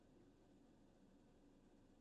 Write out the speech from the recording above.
Zertarako erabil daiteke diru-laguntza?